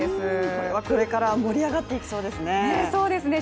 これはこれから盛り上がっていきそうですね